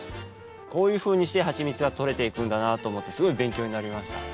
こういうふうにしてはちみつがとれていくんだなと思ってすごい勉強になりました。